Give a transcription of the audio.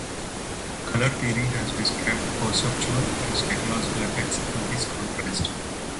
Color theory has described perceptual and psychological effects to this contrast.